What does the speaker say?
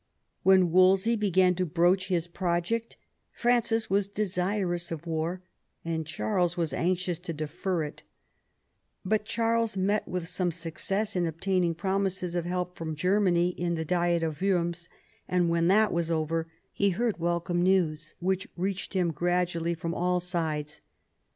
When Wolsey began to broach his project, Francis was desirous of war and Charles was anxious to defer it ; but Charles met with some suc cess in obtaining promises of help from Germany in the Diet of Worms, and when that was over, he heard welcome news which reached him gradually from all sides.